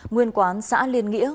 nguyên quán xã liên nghĩa